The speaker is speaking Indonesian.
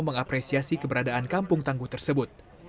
mengapresiasi keberadaan kampung tangguh tersebut